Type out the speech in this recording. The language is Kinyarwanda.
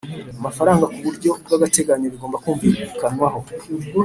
Amafaranga ku buryo bw’agateganyo bigomba kumvikanwaho